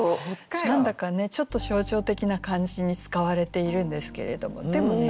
何だかねちょっと象徴的な感じに使われているんですけれどもでもね